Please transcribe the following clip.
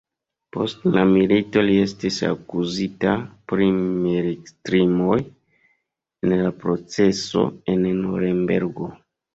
Post la milito li estis akuzita pri militkrimoj en la proceso en Nurenbergo.